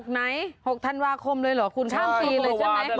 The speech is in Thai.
ไหน๖ธันวาคมเลยเหรอคุณข้ามปีเลยใช่ไหม